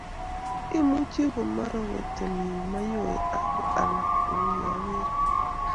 imuchi komorokotin Mayowe ak alak kou ye ogeere